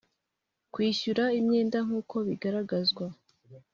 Kwishyura imyenda nkuko bigaragazwa